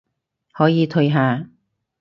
可以退下